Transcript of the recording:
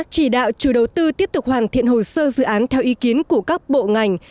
chỉ đạo chủ đầu tư tiếp tục hoàn thiện hồ sơ dự án theo ý kiến của các bộ ngành